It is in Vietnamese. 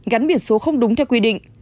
gắn biển số không đúng theo quy định